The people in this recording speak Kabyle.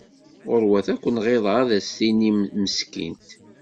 Ɣurwat ad ken-ɣiḍeɣ ad as-tinim meskint.